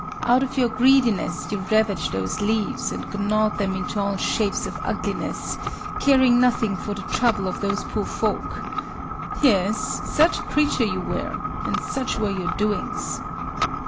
Out of your greediness you ravaged those leaves, and gnawed them into all shapes of ugliness,—caring nothing for the trouble of those poor folk... Yes, such a creature you were, and such were your doings.